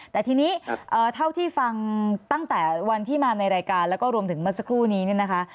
แต่ทีนี้เท่าที่ฟังตั้งแต่วันที่มาในรายการแล้วก็รวมถึงเมื่อสักครู่นี้เนี่ยนะคะ